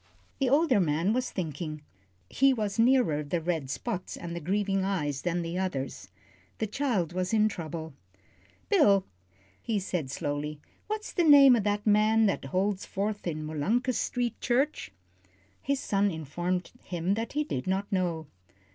The older man was thinking. He was nearer the red spots and the grieving eyes than the others. The child was in trouble. "Bill," he said, slowly, "what's the name o' that man that holds forth in Molunkus Street Church?" His son informed him that he did not know.